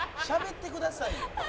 「しゃべってくださいよ」